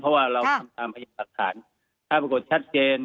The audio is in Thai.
เพราะว่าเป็นสัก๓ถ้าปรากฎชัดเจน